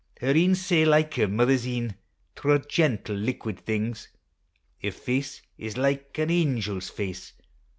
Her een sae like her mithers een, Twa gentle, liquid things; Her face is like an angel's face.